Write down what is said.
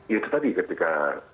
itu tadi ketika